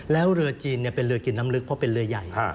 แล้วเรือจีนเป็นเรือกินน้ำลึกเพราะเป็นเรือใหญ่